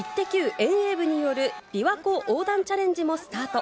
遠泳部によるびわ湖横断チャレンジもスタート。